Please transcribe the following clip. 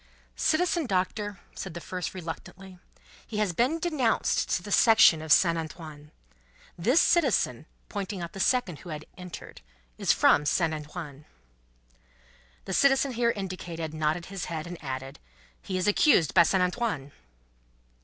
"Citizen Doctor," said the first, reluctantly, "he has been denounced to the Section of Saint Antoine. This citizen," pointing out the second who had entered, "is from Saint Antoine." The citizen here indicated nodded his head, and added: "He is accused by Saint Antoine."